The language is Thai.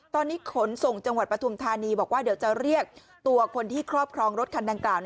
ตอนนี้ขนส่งจังหวัดปฐุมธานีบอกว่าเดี๋ยวจะเรียกตัวคนที่ครอบครองรถคันดังกล่าว